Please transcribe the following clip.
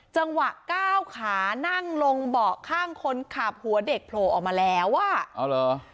จังหวะก้าวขานั่งลงเบาะข้างคนขับหัวเด็กโผล่ออกมาแล้วอ่ะอ๋อเหรอ